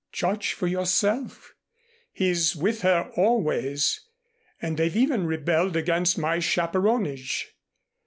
"Judge for yourself. He is with her always. And they've even rebelled against my chaperonage.